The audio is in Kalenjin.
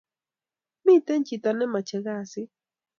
Miten chito nemache kasit